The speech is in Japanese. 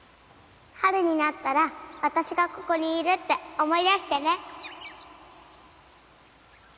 春になったら私がここにいるって思い出してね。